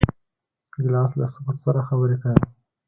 ګیلاس له سکوت سره خبرې کوي.